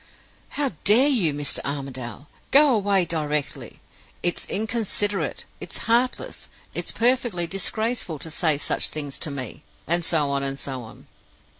'How dare you, Mr. Armadale? Go away directly! It's inconsiderate, it's heartless, it's perfectly disgraceful to say such things to me!' and so on, and so on.